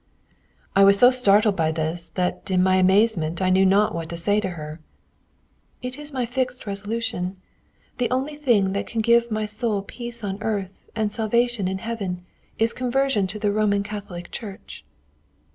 I was so startled by this, that in my amazement I knew not what to say to her. "It is my fixed resolution. The only thing that can give to my soul peace on earth and salvation in heaven is conversion to the Roman Catholic Church."